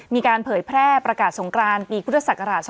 มาธนธรรมมีประกาศสงการปีพุทธศักราช